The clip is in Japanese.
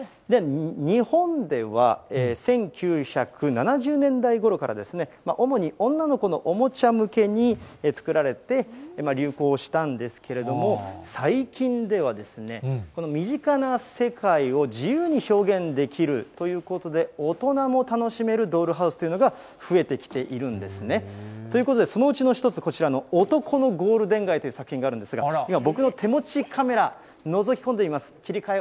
日本では、１９７０年代ごろから、主に女の子のおもちゃ向けに作られて、流行したんですけれども、最近では、身近な世界を自由に表現できるということで、大人も楽しめるドールハウスというのが増えてきているんですね。ということで、そのうちの一つ、男のゴールデン街という作品があるんですが、今、僕の手持ちカメラ、のぞき込んでみます。